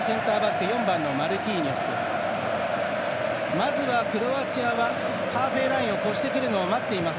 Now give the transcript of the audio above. まずはクロアチアはハーフウェーラインを越してくるのを待っています。